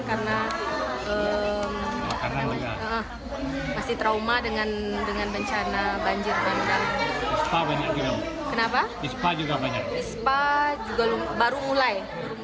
karena karena masih trauma dengan dengan bencana banjir bandang kenapa juga banyak juga baru mulai